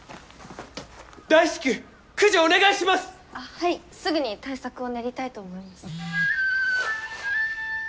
はいすぐに対策を練りたいと思います。